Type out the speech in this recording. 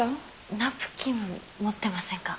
ナプキン持ってませんか？